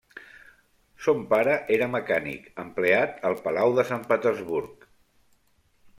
Son pare era mecànic empleat al palau de Sant Petersburg.